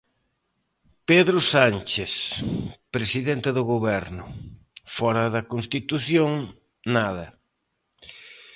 Pedro Sánchez Presidente do Goberno Fóra da Constitución nada.